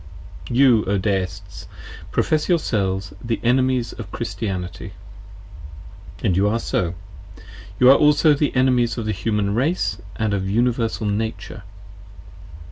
You, O Deists, profess yourselves the Enemies of Christianity: and you are so: you are also the Enemies of the Human Race & of Uni versal Nature.